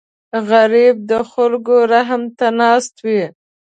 غریب د خلکو رحم ته ناست وي